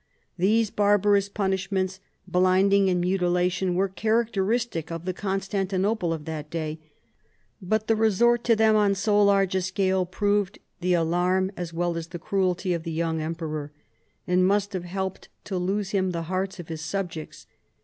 These bar barous punishments, blinding and mutilation, were characteristic of the Constantinople of that day, but the resort to them on so large a scale proved the alarm as well as the cruelty of the young emperor, and must have helped to lose him the hearts of his subjects.